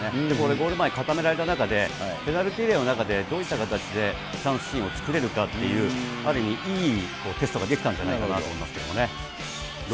ゴール前固められた中で、ペナルティーエリアの中でどういった形でチャンスシーンを作れるかっていう、ある意味いいテストができたんじゃないかなと思いますね。